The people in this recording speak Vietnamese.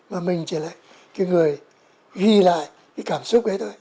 mà mình chỉ lại cái người ghi lại cái cảm xúc ấy thôi